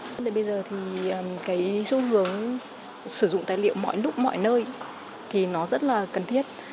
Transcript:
thế bây giờ thì cái xu hướng sử dụng tài liệu mọi lúc mọi nơi thì nó rất là cần thiết